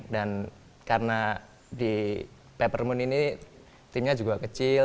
dan karena di peppermint ini timnya juga kecil